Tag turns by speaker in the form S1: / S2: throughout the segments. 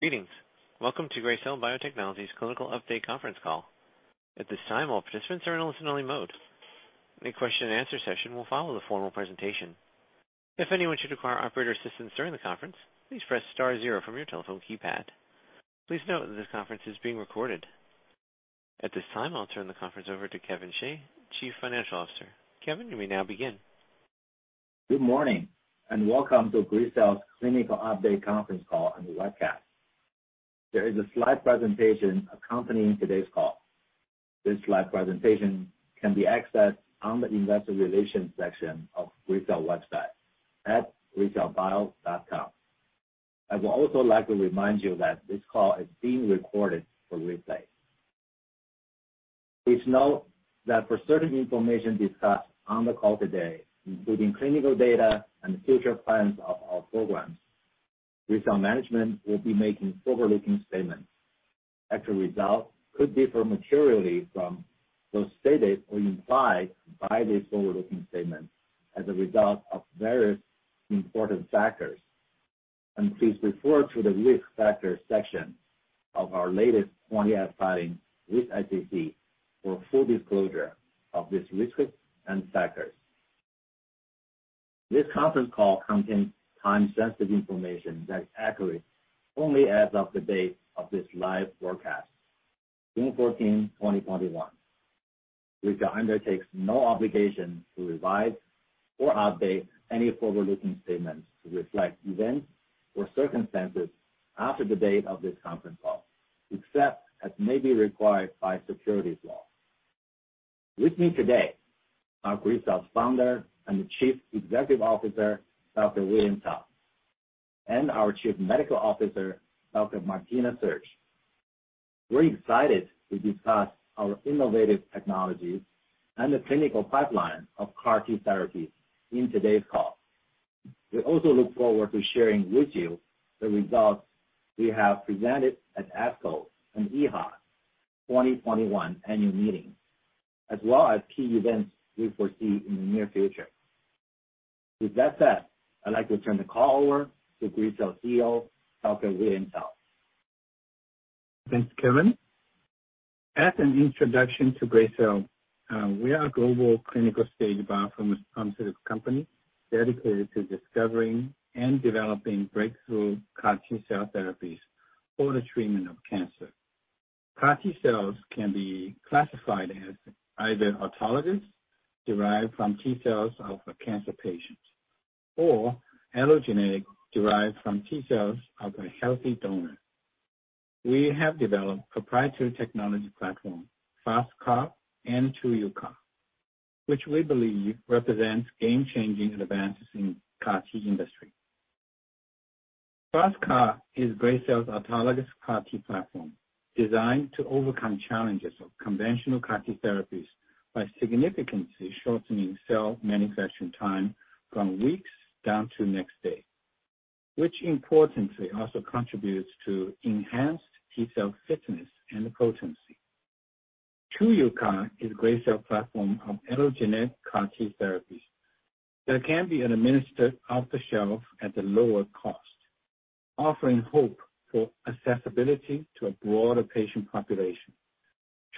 S1: Greetings. Welcome to Gracell Biotechnologies' clinical update conference call. At this time, all participants are in listen-only mode. A question and answer session will follow the formal presentation. If anyone should require operator assistance during the conference, please press star zero from your telephone keypad. Please note that this conference is being recorded. At this time, I'll turn the conference over to Kevin Xie, Chief Financial Officer. Kevin, you may now begin.
S2: Good morning, welcome to Gracell's clinical update conference call and webcast. There is a slide presentation accompanying today's call. This slide presentation can be accessed on the investor relations section of Gracell website at gracellbio.com. I would also like to remind you that this call is being recorded for replay. Please note that for certain information discussed on the call today, including clinical data and future plans of our programs, Gracell management will be making forward-looking statements. Actual results could differ materially from those stated or implied by the forward-looking statements as a result of various important factors. Please refer to the Risk Factors section of our latest 20F filing with SEC for full disclosure of these risks and factors. This conference call contains time-sensitive information that's accurate only as of the date of this live broadcast, June 14, 2021. Gracell undertakes no obligation to revise or update any forward-looking statements to reflect events or circumstances after the date of this conference call, except as may be required by securities law. With me today are Gracell's Founder and Chief Executive Officer, Dr. William Wei Cao, and our Chief Medical Officer, Dr. Martina Sersch. We're excited to discuss our innovative technologies and the clinical pipeline of CAR-T therapy in today's call. We also look forward to sharing with you the results we have presented at ASCO and EHA 2021 annual meeting, as well as key events we foresee in the near future. With that said, I'd like to turn the call over to Gracell CEO, Dr. William Wei Cao.
S3: Thanks, Kevin. As an introduction to Gracell, we are a global clinical stage biopharmaceutical company dedicated to discovering and developing breakthrough CAR-T cell therapies for the treatment of cancer. CAR-T cells can be classified as either autologous, derived from T-cells of a cancer patient, or allogeneic, derived from T-cells of a healthy donor. We have developed proprietary technology platform, FasTCAR and TruUCAR, which we believe represents game-changing advances in CAR-T industry. FasTCAR is Gracell's autologous CAR-T platform designed to overcome challenges of conventional CAR-T therapies by significantly shortening cell manufacturing time from weeks down to next day, which importantly also contributes to enhanced T-cell fitness and potency. TruUCAR is Gracell platform of allogeneic CAR-T therapy that can be administered off the shelf at a lower cost, offering hope for accessibility to a broader patient population.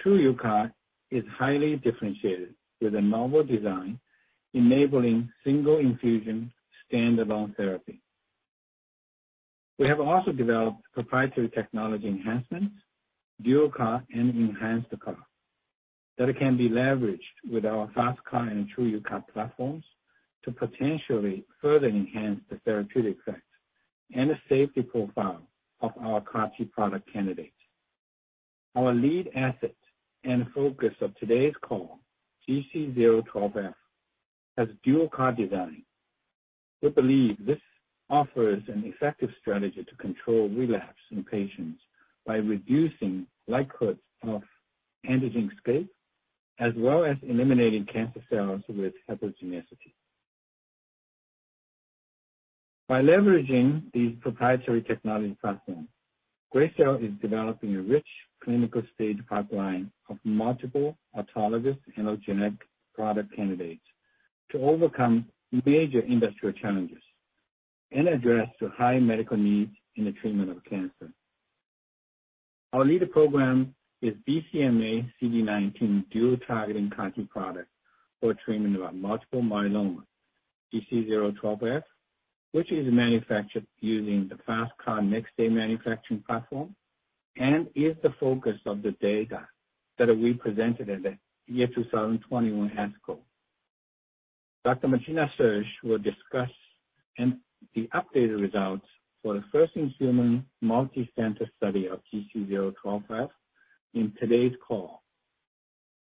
S3: TruUCAR is highly differentiated with a novel design enabling single infusion standalone therapy. We have also developed proprietary technology enhancements, Dual CAR and Enhanced CAR, that can be leveraged with our FasTCAR and TruUCAR platforms to potentially further enhance the therapeutic effect and the safety profile of our CAR-T product candidates. Our lead asset and focus of today's call, GC012F, has Dual CAR design. We believe this offers an effective strategy to control relapse in patients by reducing likelihood of antigen escape, as well as eliminating cancer cells with heterogeneity. By leveraging these proprietary technology platforms, Gracell is developing a rich clinical stage pipeline of multiple autologous allogeneic product candidates to overcome major industrial challenges and address the high medical needs in the treatment of cancer. Our leader program is BCMA CD19 dual-targeting CAR-T product for treatment of multiple myeloma, GC012F, which is manufactured using the FasTCAR next-day manufacturing platform and is the focus of the data that we presented at the year 2021 ASCO. Dr. Martina Sersch will discuss the updated results for the first-in-human multi-center study of GC012F in today's call.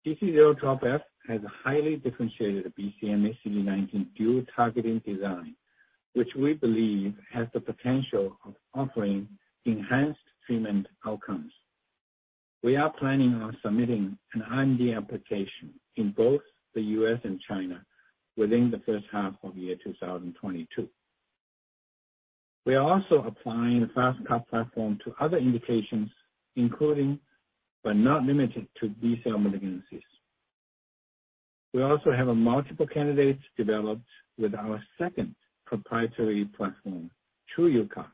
S3: GC012F has a highly differentiated BCMA CD19 dual-targeting design, which we believe has the potential of offering enhanced treatment outcomes. We are planning on submitting an IND application in both the U.S. and China within the first half of the year 2022. We are also applying the FasTCAR platform to other indications, including but not limited to B-cell malignancies. We also have multiple candidates developed with our second proprietary platform, TruUCAR,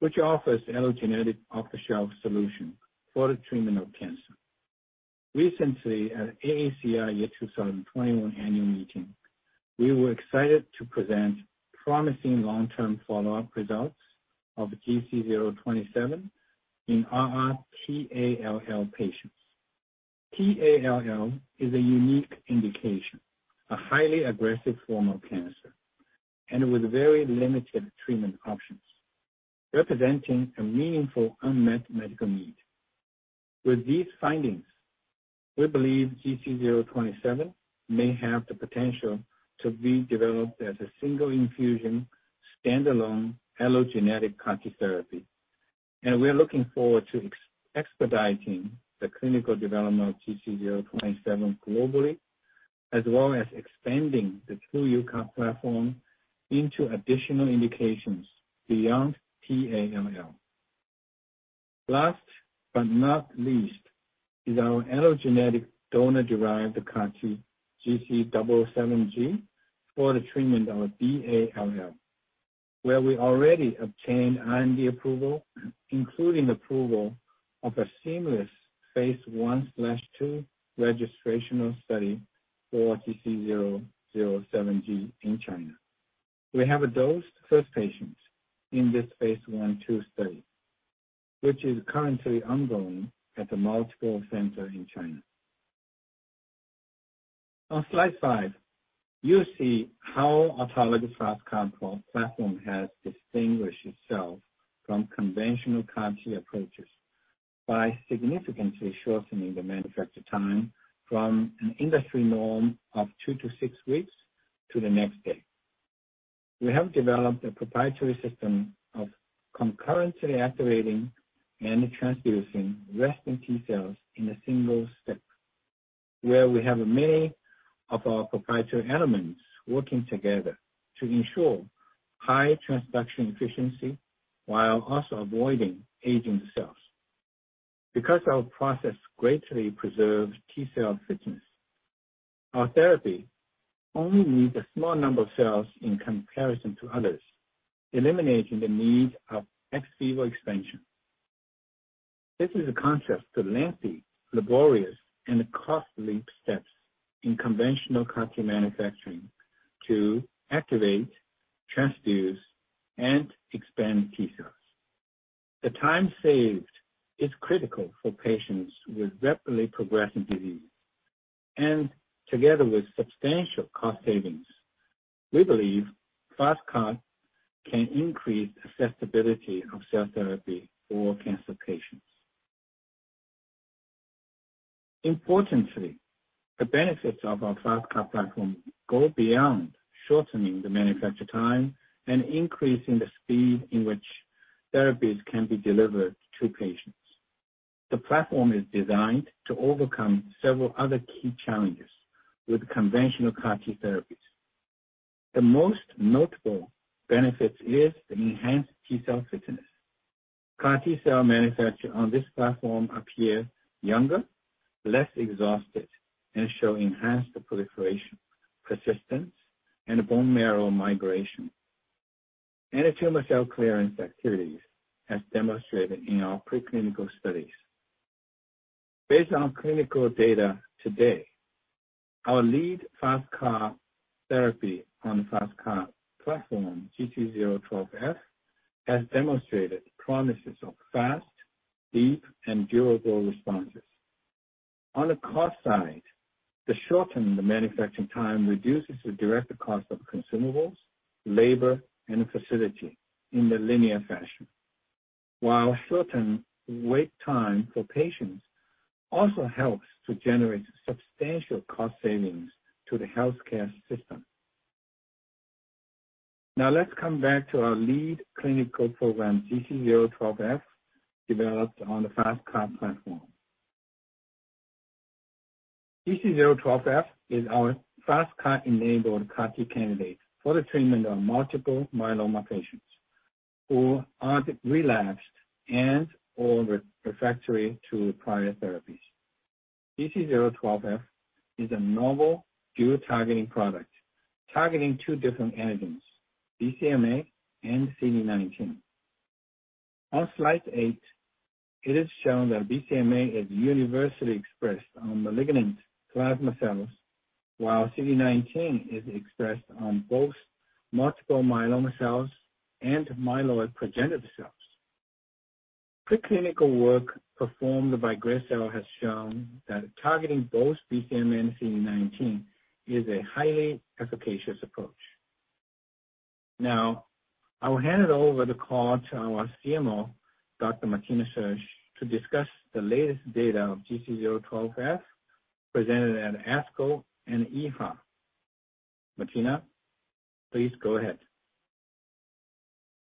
S3: which offers allogeneic off-the-shelf solution for the treatment of cancer. Recently, at AACR year 2021 annual meeting, we were excited to present promising long-term follow-up results of GC027 in r/r T-ALL patients. T-ALL is a unique indication, a highly aggressive form of cancer, and with very limited treatment options, representing a meaningful unmet medical need. With these findings, we believe GC027 may have the potential to be developed as a single infusion standalone allogeneic CAR-T therapy, and we are looking forward to expediting the clinical development of GC027 globally, as well as expanding the TruUCAR platform into additional indications beyond T-ALL. Last but not least, is our allogeneic donor-derived CAR-T, GC007g, for the treatment of B-ALL, where we already obtained IND approval, including approval of a seamless phase I/II registrational study for GC007g in China. We have dosed the first patient in this phase I, II study, which is currently ongoing at a multiple center in China. On slide five, you see how our Autologous FasTCAR platform has distinguished itself from conventional CAR-T approaches by significantly shortening the manufacture time from an industry norm of two to six weeks, to the next day. We have developed a proprietary system of concurrently activating and transducing resting T cells in a single step, where we have many of our proprietary elements working together to ensure high transduction efficiency while also avoiding aging cells. Because our process greatly preserves T cell fitness, our therapy only needs a small number of cells in comparison to others, eliminating the need of ex vivo expansion. This is a contrast to lengthy, laborious, and costly steps in conventional CAR-T manufacturing to activate, transduce, and expand T cells. The time saved is critical for patients with rapidly progressing disease. Together with substantial cost savings, we believe FasTCAR can increase accessibility of cell therapy for cancer patients. Importantly, the benefits of our FasTCAR platform go beyond shortening the manufacture time and increasing the speed in which therapies can be delivered to patients. The platform is designed to overcome several other key challenges with conventional CAR-T therapies. The most notable benefit is the enhanced T cell fitness. CAR-T cell manufacture on this platform appears younger, less exhausted, and show enhanced proliferation, persistence, bone marrow migration, and antitumoral cell clearance activities as demonstrated in our preclinical studies. Based on clinical data today, our lead FasTCAR therapy on FasTCAR platform, GC012F, has demonstrated promises of fast, deep, and durable responses. On the cost side, the shortened manufacturing time reduces the direct cost of consumables, labor, and facility in a linear fashion. While shortened wait time for patients also helps to generate substantial cost savings to the healthcare system. Now, let's come back to our lead clinical program, GC012F, developed on the FasTCAR platform. GC012F is our FasTCAR-enabled CAR-T candidate for the treatment of multiple myeloma patients who aren't relapsed and/or refractory to prior therapies. GC012F is a novel dual targeting product, targeting two different antigens, BCMA and CD19. On slide eight, it is shown that BCMA is universally expressed on malignant plasma cells, while CD19 is expressed on both multiple myeloma cells and myeloid progenitor cells. Preclinical work performed by Gracell has shown that targeting both BCMA and CD19 is a highly efficacious approach. Now, I will hand over the call to our CMO, Dr. Martina Sersch, to discuss the latest data of GC012F presented at ASCO and EHA. Martina, please go ahead.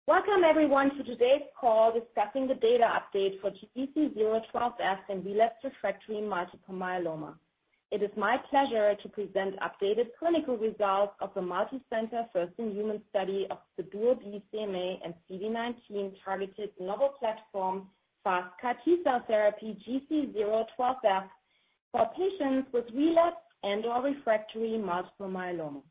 S4: Welcome, everyone, to today's call discussing the data update for GC012F in relapsed/refractory multiple myeloma. It is my pleasure to present updated clinical results of the multi-center first-in-human study of the dual BCMA and CD19 targeted novel platform, FasTCAR T-cell therapy, GC012F, for patients with relapsed and/or refractory multiple myeloma.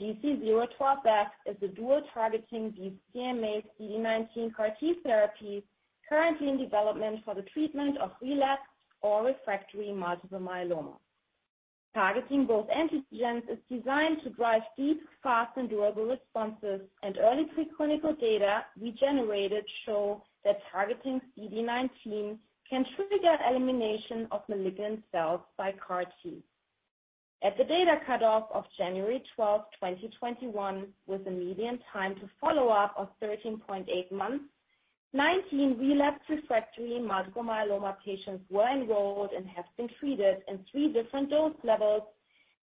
S4: GC012F is a dual targeting BCMA CD19 CAR-T therapy currently in development for the treatment of relapsed or refractory multiple myeloma. Targeting both antigens is designed to drive deep, fast, and durable responses. Early clinical data we generated show that targeting CD19 can trigger elimination of malignant cells by CAR-T. At the data cutoff of January 12th, 2021, with a median time to follow-up of 13.8 months, 19 relapsed refractory multiple myeloma patients were enrolled and have been treated in three different dose levels,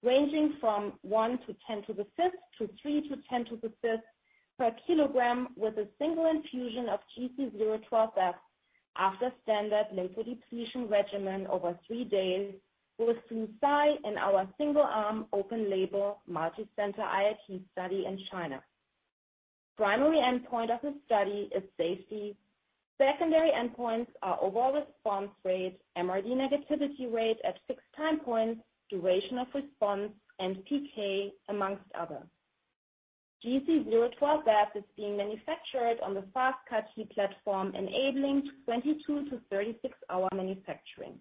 S4: ranging from one to 10 to the 6th to three to 10 to the 6th per kilogram with a single infusion of GC012F after standard lymphodepletion regimen over three days within our single arm open label multi-center IIT study in China. Primary endpoint of the study is safety. Secondary endpoints are overall response rate, MRD negativity rate at six time points, duration of response, and PK, amongst others. GC012F is being manufactured on the FasTCAR platform, enabling 22 to 36-hour manufacturing.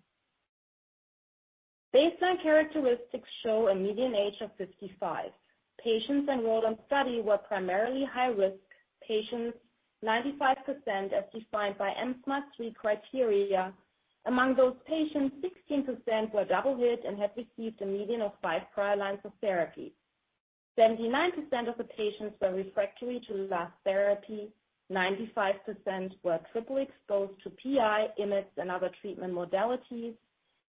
S4: Baseline characteristics show a median age of 55. Patients enrolled on study were primarily high-risk patients, 95% as defined by mSMART criteria. Among those patients, 16% were double hit and had received a median of five prior lines of therapy. 79% of the patients were refractory to last therapy, 95% were triple exposed to PI, IMiDs, and other treatment modalities,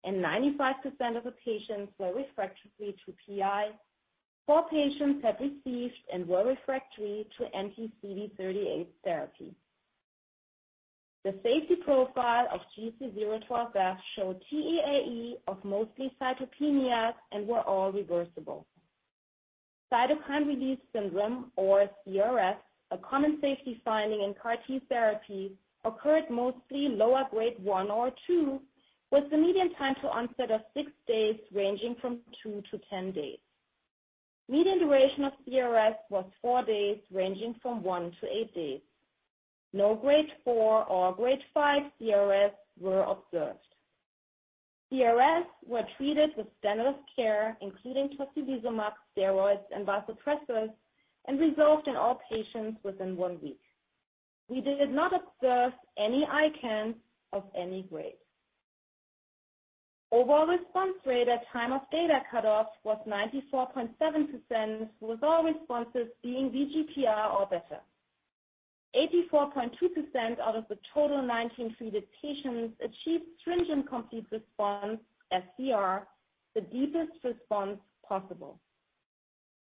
S4: and 95% of the patients were refractory to PI. Four patients had received and were refractory to anti-CD38 therapy. The safety profile of GC012F showed TEAE of mostly cytopenias and were all reversible. Cytokine release syndrome, or CRS, a common safety finding in CAR-T therapy, occurred mostly low at grade one or two, with a median time to onset of six days, ranging from 2-10 days. Median duration of CRS was four days, ranging from one to eight days. No grade four or grade five CRS were observed. CRS were treated with standard of care, including tocilizumab, steroids, and vasopressors, and resolved in all patients within one week. We did not observe any ICANS of any grade. Overall response rate at time of data cutoffs was 94.7%, with all responses being VGPR or better. 84.2% out of the total 19 treated patients achieved stringent complete response, sCR, the deepest response possible.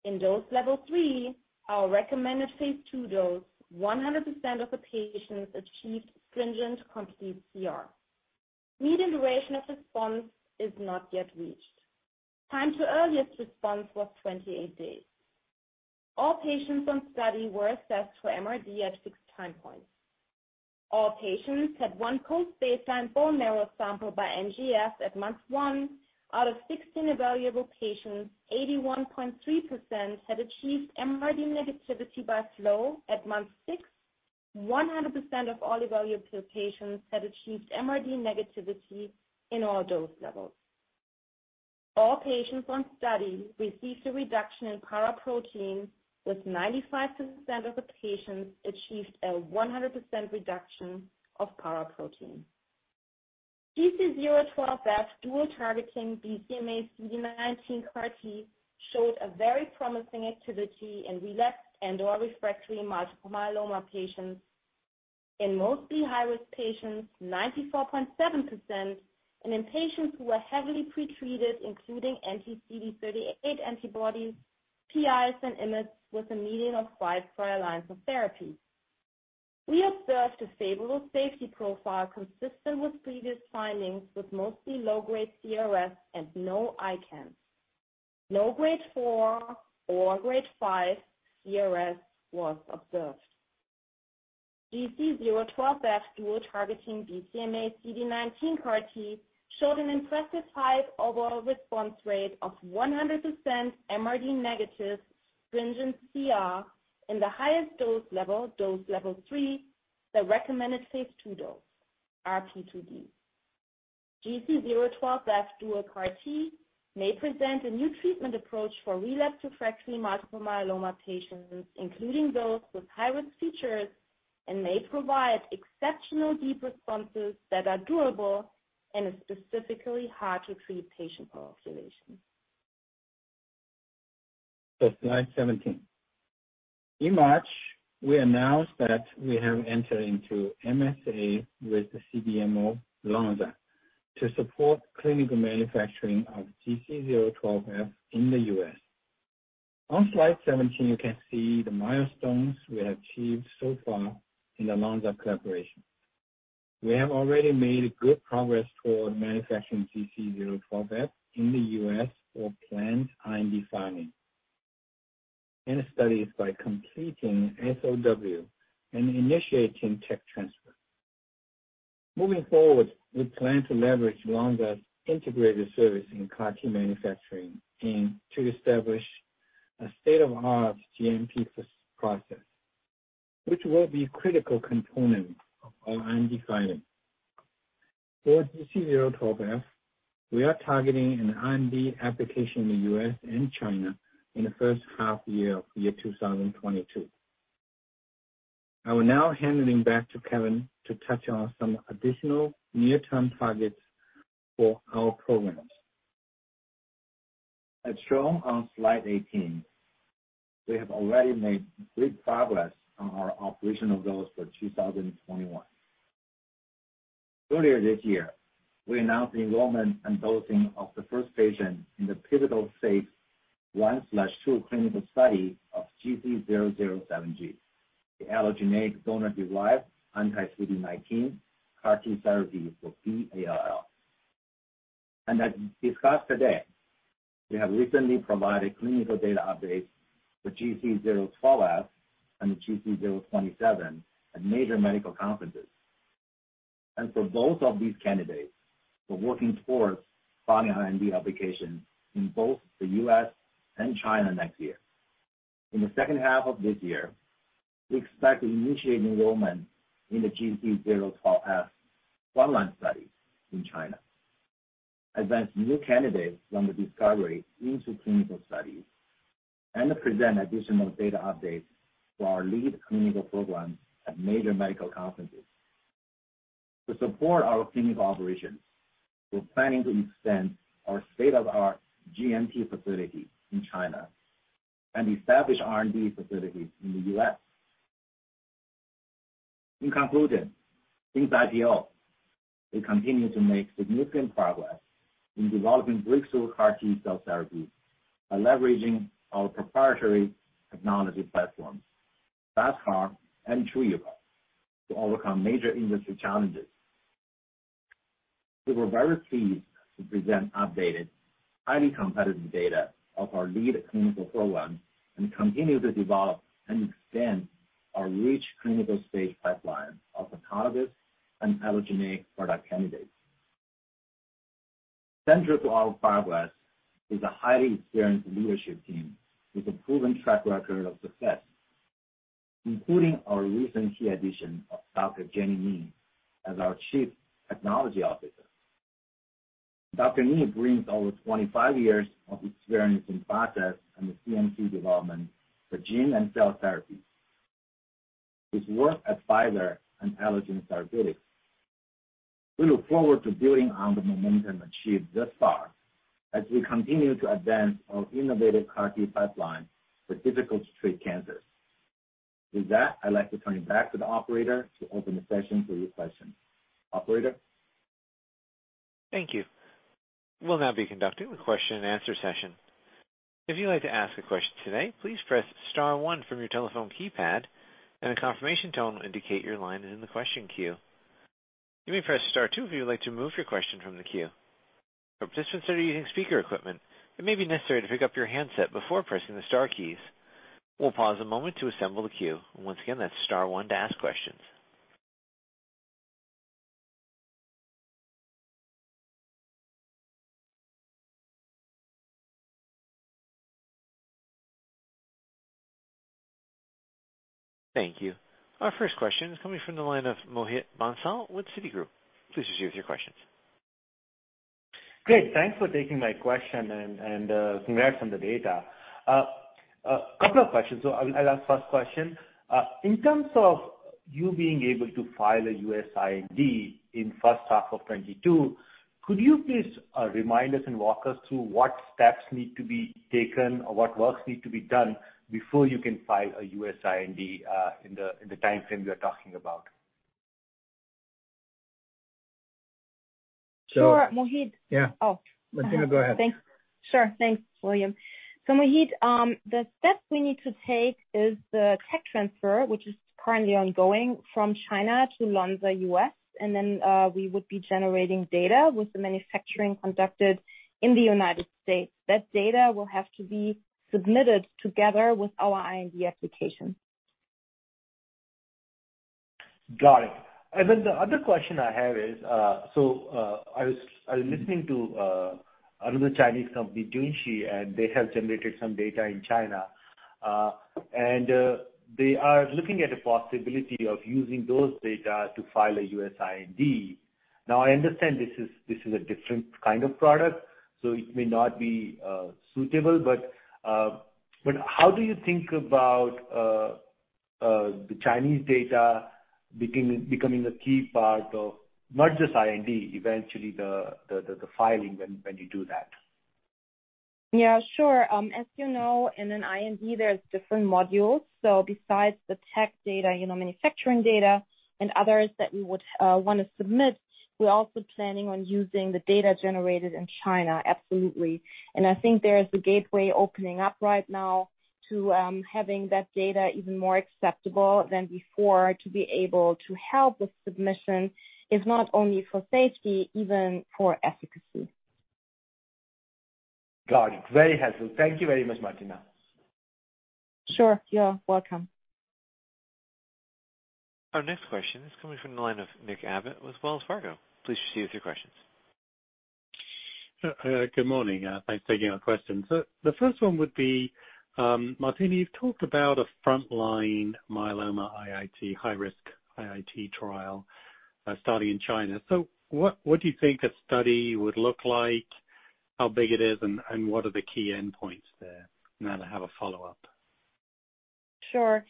S4: In dose level three, our recommended phase II dose, 100% of the patients achieved stringent complete CR. Median duration of response is not yet reached. Time to earliest response was 28 days. All patients on study were assessed for MRD at six time points. All patients had one post-baseline bone marrow sample by NGS at month one. Out of 16 evaluable patients, 81.3% had achieved MRD negativity by flow at month six. 100% of all evaluable patients had achieved MRD negativity in all dose levels. All patients on study received a reduction in paraprotein, with 95% of the patients achieved a 100% reduction of paraprotein. GC012F dual targeting BCMA CD19 CAR-T showed a very promising activity in relapsed and/or refractory multiple myeloma patients. In mostly high-risk patients, 94.7%, and in patients who were heavily pretreated, including anti-CD38 antibodies, PIs, and IMiDs, with a median of five prior lines of therapy. We observed a favorable safety profile consistent with previous findings, with mostly low-grade CRS and no ICANS. No grade four or grade five CRS was observed. GC012F dual targeting BCMA CD19 CAR-T showed an impressive high overall response rate of 100% MRD negative sCR in the highest dose level, dose level three, the recommended phase II dose, RP2D. GC012F Dual CAR-T may present a new treatment approach for relapsed refractory multiple myeloma patients, including those with high-risk features, and may provide exceptional deep responses that are durable in a specifically hard-to-treat patient population.
S2: Slide 17. In March, we announced that we have entered into MSA with the CDMO Lonza to support clinical manufacturing of GC012F in the U.S. On slide 17, you can see the milestones we have achieved so far in the Lonza collaboration. We have already made good progress toward manufacturing GC012F in the U.S. for planned IND filing in studies by completing SOW and initiating tech transfer.
S3: Moving forward, we plan to leverage Lonza integrated service in CAR-T manufacturing and to establish a state-of-art GMP process, which will be a critical component of our IND filing. For GC012F, we are targeting an IND application in the U.S. and China in the first half year of year 2022. I will now hand it back to Kevin to touch on some additional near-term targets for our programs.
S2: As shown on slide 18, we have already made great progress on our operational goals for 2021. Earlier this year, we announced the enrollment and dosing of the first patient in the pivotal phase I/II clinical study of GC007g, the allogeneic donor-derived anti-CD19 CAR-T therapy for B-ALL. As discussed today, we have recently provided clinical data updates for GC012F and GC027 at major medical conferences. For both of these candidates, we're working towards filing an IND application in both the U.S. and China next year. In the second half of this year, we expect to initiate enrollment in the GC012F phase I study in China, advance new candidates from the discovery into clinical studies, and to present additional data updates for our lead clinical programs at major medical conferences. To support our clinical operations, we're planning to extend our state-of-the-art GMP facility in China and establish R&D facilities in the U.S. In conclusion, in 2020, we continued to make significant progress in developing breakthrough CAR-T cell therapies by leveraging our proprietary technology platforms, FasTCAR and TruUCAR, to overcome major industry challenges. We were very pleased to present updated, highly competitive data of our lead clinical programs and continue to develop and extend our rich clinical-stage pipeline of oncologic and allogeneic product candidates. Central to our progress is a highly experienced leadership team with a proven track record of success, including our recent key addition of Dr. Jenny Ni as our Chief Technology Officer. Dr. Ni brings over 25 years of experience in process and CMC development for gene and cell therapy with work at Pfizer and Allogene Therapeutics. We look forward to building on the momentum achieved thus far as we continue to advance our innovative CAR-T pipeline for difficult to treat cancers. With that, I'd like to turn it back to the operator to open the session for your questions. Operator?
S1: Our first question is coming from the line of Mohit Bansal with Citigroup. Please proceed with your questions.
S5: Great. Thanks for taking my question and congrats on the data. A couple of questions. I'll ask first question. In terms of you being able to file a U.S. IND in first half of 2022, could you please remind us and walk us through what steps need to be taken or what work needs to be done before you can file a U.S. IND in the timeframe you're talking about?
S4: Sure, Mohit.
S3: Yeah.
S4: Oh.
S3: No, go ahead.
S4: Thanks. Sure. Thanks, William. Mohit, the steps we need to take is the tech transfer, which is currently ongoing from China to Lonza, U.S., and then we would be generating data with the manufacturing conducted in the United States. That data will have to be submitted together with our IND application.
S5: Got it. The other question I have is, I was listening to another Chinese company, Junshi, and they have generated some data in China. They are looking at a possibility of using those data to file a U.S. IND. I understand this is a different kind of product, so it may not be suitable, but how do you think about the Chinese data becoming a key part of not just IND, eventually the filing when you do that?
S4: Yeah, sure. As you know, in an IND, there's different modules. Besides the tech data, manufacturing data, and others that we would want to submit, we're also planning on using the data generated in China, absolutely. I think there's a gateway opening up right now to having that data even more acceptable than before to be able to help the submission is not only for safety, even for efficacy.
S5: Got it. Very helpful. Thank you very much, Martina.
S4: Sure, yeah. Welcome.
S1: Our next question is coming from the line of Nick Abbott with Wells Fargo. Please proceed with your questions.
S6: Good morning. Thanks for taking my question. The first one would be, Martina, you've talked about a frontline myeloma IIT, high-risk IIT trial study in China. What do you think a study would look like, how big it is, and what are the key endpoints there? I have a follow-up.
S4: Sure.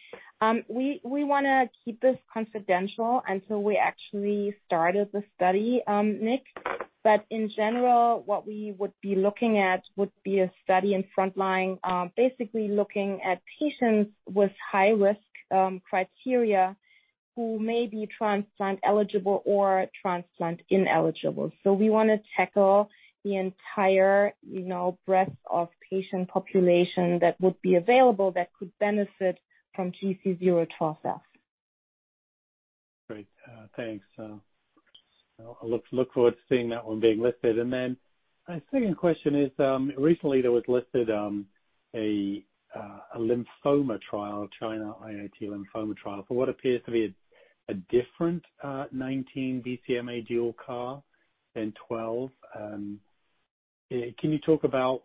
S4: We want to keep this confidential until we actually started the study, Nick. In general, what we would be looking at would be a study in frontline, basically looking at patients with high-risk criteria who may be transplant eligible or transplant ineligible. We want to tackle the entire breadth of patient population that would be available that could benefit from GC012F.
S6: Great. Thanks. I look forward to seeing that one being listed. My second question is, recently there was listed a lymphoma trial, China IIT lymphoma trial, for what appears to be a different CD19 BCMA Dual CAR than 12. Can you talk about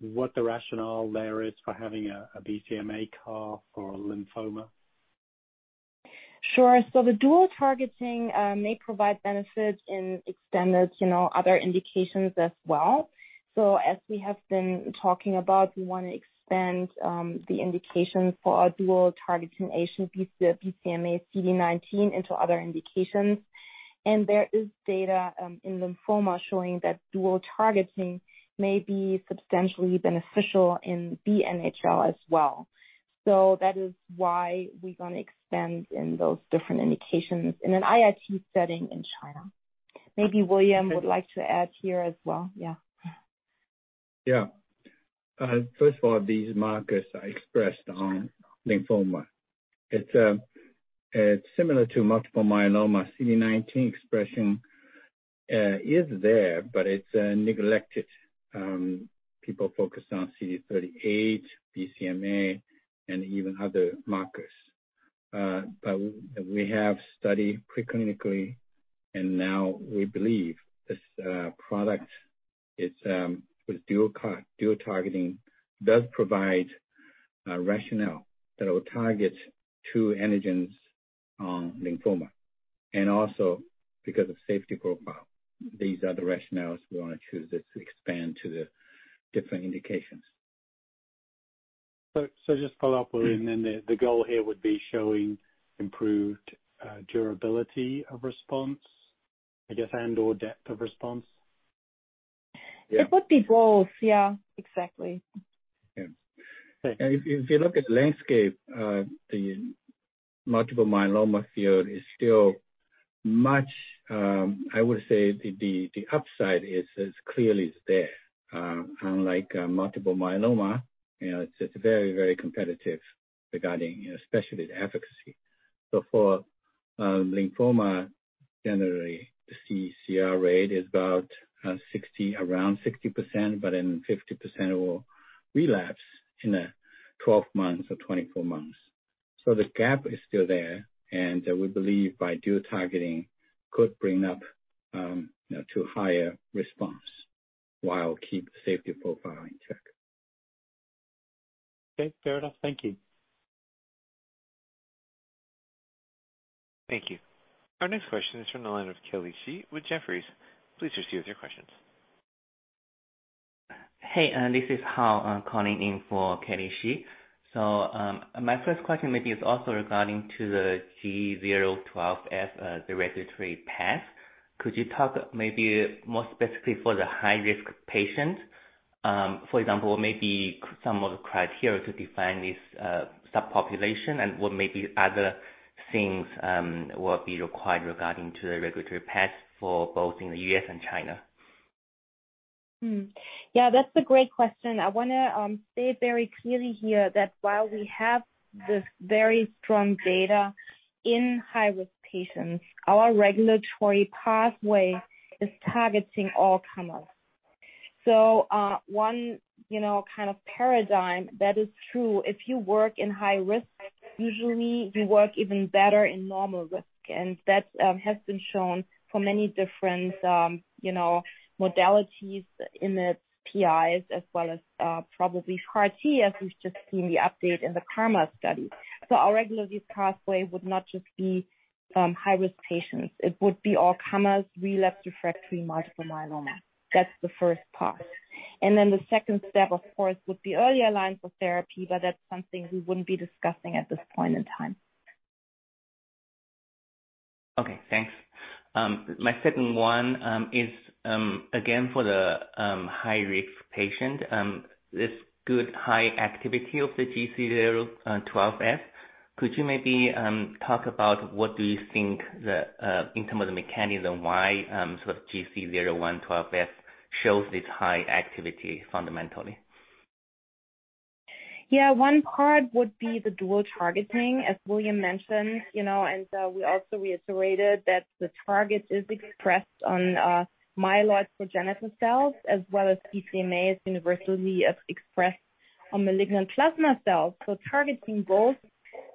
S6: what the rationale there is for having a BCMA CAR for lymphoma?
S4: Sure. The dual targeting may provide benefits in extended other indications as well. As we have been talking about, we want to expand the indication for our dual targeting agent, BCMA CD19, into other indications. There is data in lymphoma showing that dual targeting may be substantially beneficial in B-NHL as well. That is why we want to expand in those different indications in an IIT setting in China. Maybe William would like to add here as well. Yeah.
S3: First of all, these markers are expressed on lymphoma. It's similar to multiple myeloma. CD19 expression is there, it's neglected. People focus on CD38, BCMA, and even other markers. We have studied pre-clinically, and now we believe this product, with dual targeting, does provide a rationale that will target two antigens on lymphoma. Also because of safety profile, these are the rationales we want to choose that expand to the different indications.
S6: Just follow up, William, the goal here would be showing improved durability of response, I guess, and/or depth of response?
S4: It would be both. Yeah, exactly.
S3: Yes. If you look at landscape, the multiple myeloma field is still much I would say the upside is as clearly as there. Unlike multiple myeloma, it's very, very competitive regarding, especially the efficacy. For lymphoma, generally, the CCR rate is around 60%, but then 50% will relapse in 12 months or 24 months. The gap is still there, and we believe by dual targeting could bring up to a higher response while keep safety profile in check.
S6: Okay, fair enough. Thank you.
S1: Thank you. Our next question is from the line of Kelly Shi with Jefferies. Please proceed with your questions.
S7: Hey, this is Hao calling in for Kelly Shi. My first question is also regarding the GC012F regulatory path. Could you talk maybe more specifically for the high-risk patients? For example, maybe some of the criteria to define this subpopulation, and what maybe other things will be required regarding the regulatory path for both in the U.S. and China?
S4: That's a great question. I want to say very clearly here that while we have this very strong data in high-risk patients, our regulatory pathway is targeting all comers. One kind of paradigm that is true, if you work in high risk, usually you work even better in normal risk, and that has been shown for many different modalities in its PIs as well as probably CAR-T, as we've just seen the update in the KarMMa study. Our regulatory pathway would not just be high-risk patients, it would be all comers relapsed/refractory multiple myeloma. That's the first part. The second step, of course, would be early lines of therapy, but that's something we wouldn't be discussing at this point in time.
S7: Okay, thanks. My second one is, again, for the high-risk patient, this good high activity of the GC012F, could you maybe talk about what do you think in terms of mechanism, why GC012F shows this high activity fundamentally?
S4: One part would be the dual targeting, as William mentioned, and we also reiterated that the target is expressed on myeloid progenitor cells as well as BCMA is universally expressed on malignant plasma cells. Targeting both,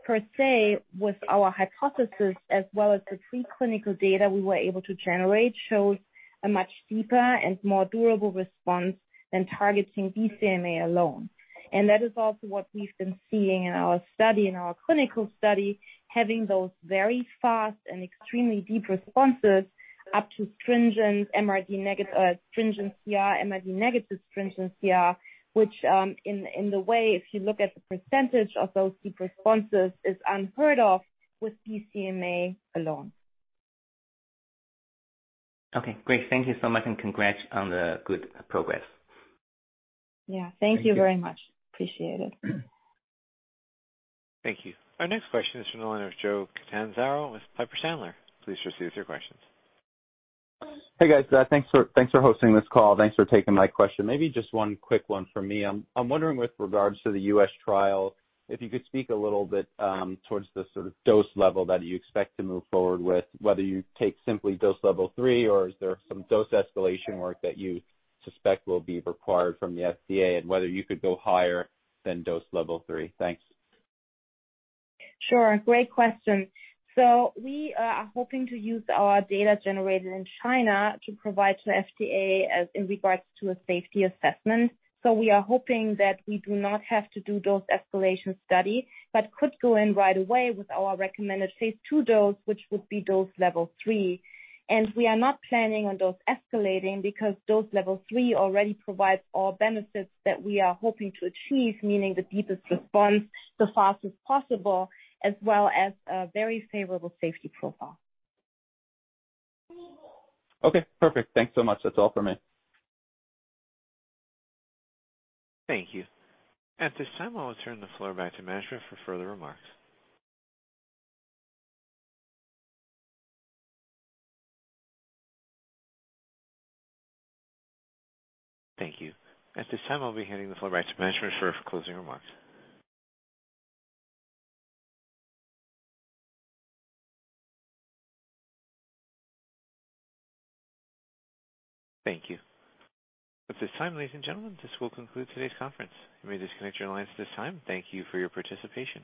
S4: per se, with our hypothesis as well as the preclinical data we were able to generate, shows a much deeper and more durable response than targeting BCMA alone. That is also what we've been seeing in our study, in our clinical study, having those very fast and extremely deep responses up to stringent MRD negative, stringent CR, MRD negative stringent CR, which in the way, if you look at the percentage of those deep responses, is unheard of with BCMA alone.
S7: Okay, great. Thank you so much and congrats on the good progress.
S4: Yeah. Thank you very much. Appreciate it.
S1: Thank you. Our next question is from the line of Joseph Catanzaro with Piper Sandler. Please proceed with your questions.
S8: Hey, guys. Thanks for hosting this call. Thanks for taking my question. Maybe just one quick one from me. I'm wondering with regards to the U.S. trial, if you could speak a little bit towards the sort of dose level that you expect to move forward with, whether you take simply dose level three or is there some dose escalation work that you suspect will be required from the FDA and whether you could go higher than dose level three? Thanks.
S4: Sure. Great question. We are hoping to use our data generated in China to provide to the FDA in regards to a safety assessment. We are hoping that we do not have to do dose escalation study, but could go in right away with our recommended phase II dose, which would be dose level three. We are not planning on dose escalating because dose level three already provides all benefits that we are hoping to achieve, meaning the deepest response the fastest possible, as well as a very favorable safety profile.
S8: Okay, perfect. Thanks so much. That's all from me.
S1: Thank you. At this time, I'll turn the floor back to management for further remarks. Thank you. At this time, I'll be handing the floor back to management for closing remarks. Thank you. At this time, ladies and gentlemen, this will conclude today's conference. You may disconnect your lines at this time. Thank you for your participation.